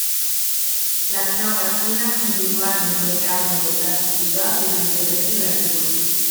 Las tropas chinas continuaron rodeando la ciudad durante el resto de la guerra.